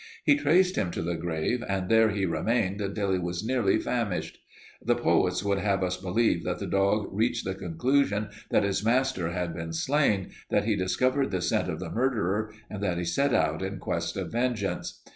He traced him to the grave and there he remained until he was nearly famished. The poets would have us believe that the dog reached the conclusion that his master had been slain, that he discovered the scent of the murderer, and that he set out in quest of vengeance.